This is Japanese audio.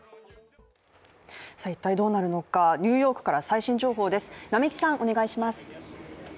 一体どうなるのかニューヨークから最新情報です。